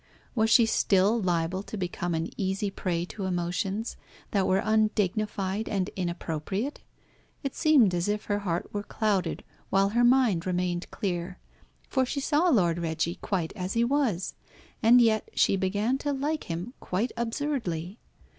Was she still liable to become an easy prey to emotions that were undignified and inappropriate? It seemed as if her heart were clouded while her mind remained clear, for she saw Lord Reggie quite as he was, and yet she began to like him quite absurdly.